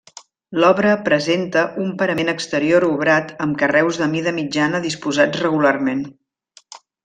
L’obra presenta un parament exterior obrat amb carreus de mida mitjana disposats regularment.